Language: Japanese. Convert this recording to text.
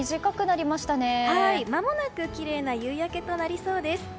まもなくきれいな夕焼けとなりそうです。